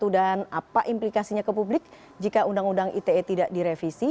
dan apa implikasinya ke publik jika undang undang ite tidak direvisi